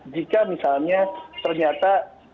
jika misalnya ternyata